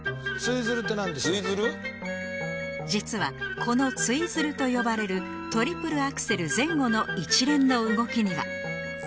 実はこのツイズルと呼ばれるトリプルアクセル前後の一連の動きには